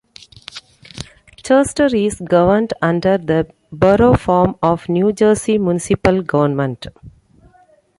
Chester is governed under the Borough form of New Jersey municipal government.